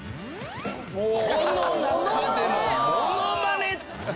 この中でもものまね！